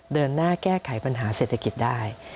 เดินหน้าแก้ไขปัญหาเศรษฐกิจได้